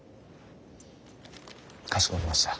かしこまりました。